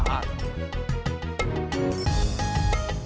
sekarang dia sudah kembang